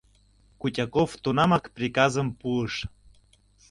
Кутяков тунамак приказым пуыш.